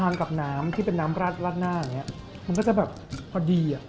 ต่างกับน้ำที่เป็นน้ำราดหน้านี้มันก็จะแบบพอดี